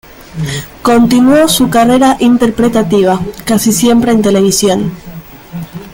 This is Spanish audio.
Continuó su carrera interpretativa, casi siempre en televisión.